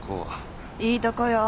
いいとこよ。